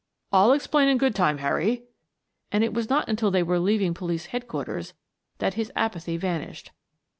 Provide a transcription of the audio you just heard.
"I'll explain in good time, Harry," and it was not until they were leaving Police Headquarters that his apathy vanished.